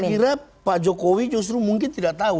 saya kira pak jokowi justru mungkin tidak tahu